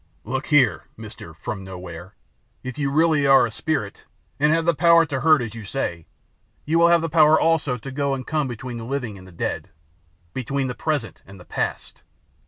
"Look here, Mister from Nowhere, if you are really a spirit, and have the power to hurt as you say, you will have the power also to go and come between the living and the dead, between the present and the past.